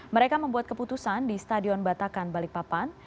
mereka membuat keputusan di stadion batakan balikpapan